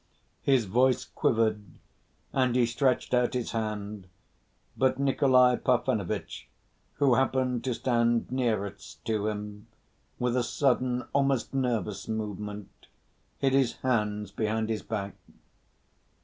His voice quivered and he stretched out his hand, but Nikolay Parfenovitch, who happened to stand nearest to him, with a sudden, almost nervous movement, hid his hands behind his back.